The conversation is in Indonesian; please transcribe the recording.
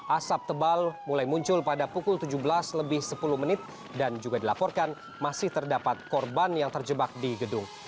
asap tebal mulai muncul pada pukul tujuh belas lebih sepuluh menit dan juga dilaporkan masih terdapat korban yang terjebak di gedung